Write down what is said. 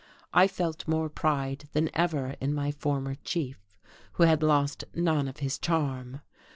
I felt more pride than ever in my former chief, who had lost none of his charm.